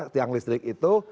tiang listrik itu